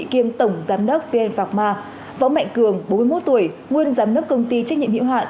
kiêm tổng giám đốc vn phạc ma võ mạnh cường bốn mươi một tuổi nguyên giám đốc công ty trách nhiệm hiệu hạn